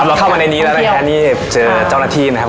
เราเข้ามาในนี้แล้วนะคะนี่เจอเจ้าหน้าที่นะครับ